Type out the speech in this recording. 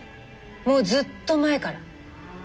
もうずっと前から。